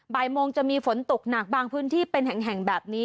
บ่ายโมงจะมีฝนตกหนักบางพื้นที่เป็นแห่งแบบนี้